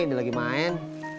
dia lagi main